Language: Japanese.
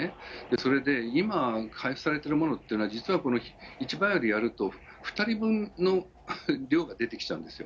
それで今、開始されているものは、実はこの、１バイアルやると、２人分の量が出てきちゃうんですよ。